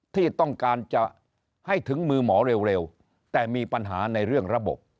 ที่ต้องการจะให้ถึงมือหมอเร็วแต่มีปัญหาในเรื่องระบบ